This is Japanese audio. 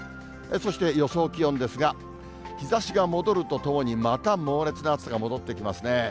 そして予想気温ですが、日ざしが戻るとともに、また猛烈な暑さが戻ってきますね。